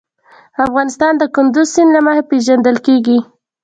افغانستان د کندز سیند له مخې پېژندل کېږي.